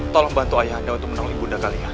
tolong bantu ayah handa untuk menolong bunda kalian